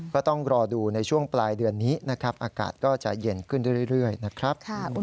ก็ต้องรอดูในช่วงปลายเดือนนี้นะครับอากาศก็จะเย็นขึ้นเรื่อยนะครับ